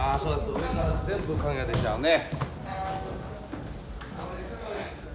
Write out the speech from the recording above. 上から全部影が出ちゃうね。